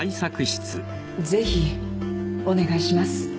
ぜひお願いします。